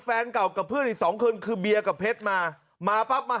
แฟนเก่ากับเพื่อนอีกสองคนคือเบียร์กับเพชรมามาปั๊บมา